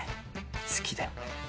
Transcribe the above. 好きだよ。